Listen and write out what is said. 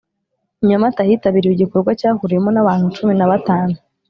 i Nyamata hitabiriwe igikorwa cyahuriwemo n abantu cumi na batanu